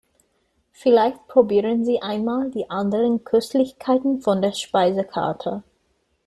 Vielleicht probieren Sie einmal die anderen Köstlichkeiten von der Speisekarte.